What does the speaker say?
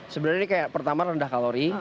sebenarnya ini kayak pertama rendah kalori